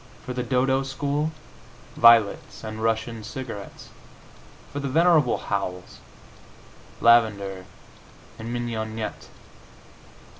For the "Dodo" school, violets and Russian cigarettes. For the venerable Howells, lavender and mignonette.